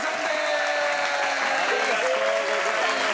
ありがとうございます。